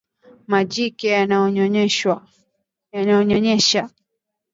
majike yanayonyonyesha